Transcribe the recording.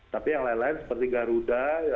tapi yang lain lain seperti garuda